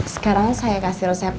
sekarang saya kasih resep